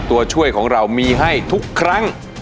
ตัวช่วยของเรามีให้ทุกครั้ง